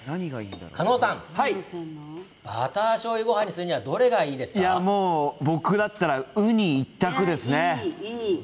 狩野さんバターしょうゆごはんにするには僕だったらウニ一択ですね。